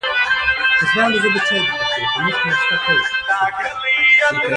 نمک د افغانانو د تفریح یوه وسیله ده.